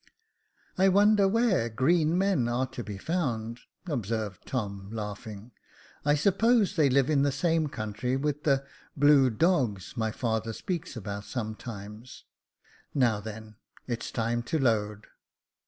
I wonder where green men are to be found ?" observed Tom, laughing ;I suppose they live in the same country with the blue dogs my father speaks about sometimes. Now, then, it's time to load."